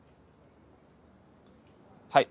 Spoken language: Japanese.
はい。